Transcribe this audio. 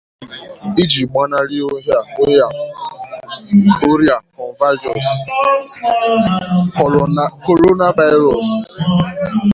iji gbanahị ọrịa 'coronavirus'.